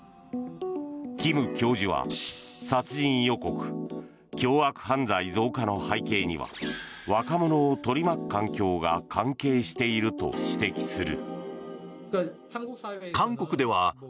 キム教授は、殺人予告凶悪犯罪増加の背景には若者を取り巻く環境が関係していると指摘する。